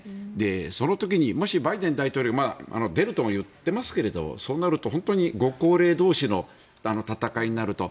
その時にもし、バイデン大統領出るとも言っていますがそうなると本当にご高齢同士の戦いになると。